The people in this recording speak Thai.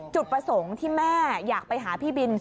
จุดประสงค์ที่แม่อยากไปหาพี่บิน